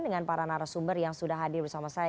dengan para narasumber yang sudah hadir bersama saya